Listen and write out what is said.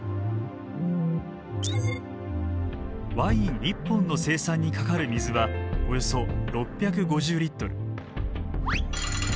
ワイン１本の生産にかかる水はおよそ６５０リットル。